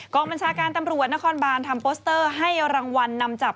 บัญชาการตำรวจนครบานทำโปสเตอร์ให้รางวัลนำจับ